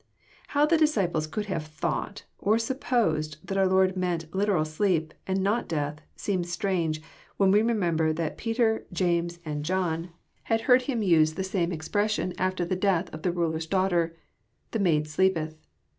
How the disciples could have " thought " or " supposed " that our Lord meant literal sleep, and not death, seems strange. When we remember that Peter, James, and John, had heard Him JOHN, CHAP. XI. 251 use the same expression after the death of the mler's daughter: The maid sleepeth."